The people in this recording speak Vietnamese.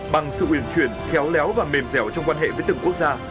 bằng sự uyển chuyển khéo léo và mềm dẻo trong quan hệ với từng quốc gia